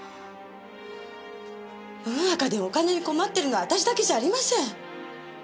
世の中でお金に困ってるのは私だけじゃありません。